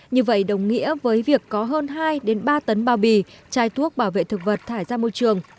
như vậy đồng nghĩa với việc có hơn hai ba tấn bao bì chai thuốc bảo vệ thực vật thải ra môi trường